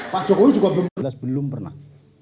pak jokowi juga belum pernah